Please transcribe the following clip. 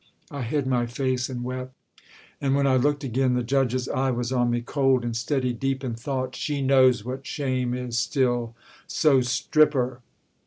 I hid my face and wept. And when I looked again, the judge's eye Was on me, cold and steady, deep in thought 'She knows what shame is still; so strip her.'